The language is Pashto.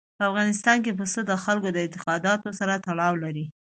په افغانستان کې پسه د خلکو د اعتقاداتو سره تړاو لري.